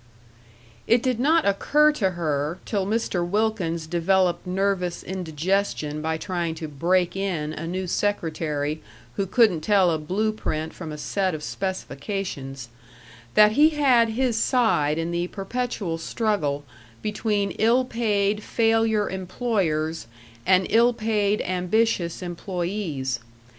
It did not occur to her till Mr. Wilkins developed nervous indigestion by trying to "break in" a new secretary who couldn't tell a blue print from a set of specifications, that he had his side in the perpetual struggle between ill paid failure employers and ill paid ambitious employees.